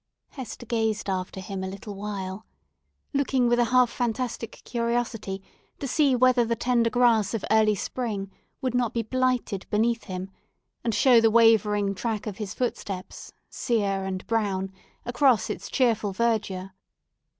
Hester gazed after him a little while, looking with a half fantastic curiosity to see whether the tender grass of early spring would not be blighted beneath him and show the wavering track of his footsteps, sere and brown, across its cheerful verdure.